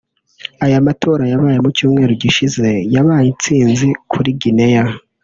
Aya matora yabaye mu cyumweru gishize yabaye intsinzi kuri Guinea